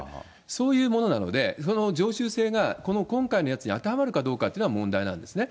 そういうものなので、常習性が今回のやつに当てはまるかどうかというのは問題なんですね。